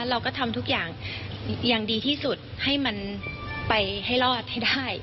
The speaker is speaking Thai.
เราก็ทำทุกอย่างอย่างดีที่สุดให้มันไปให้รอดให้ได้